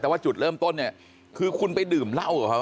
แต่ว่าจุดเริ่มต้นเนี่ยคือคุณไปดื่มเหล้ากับเขา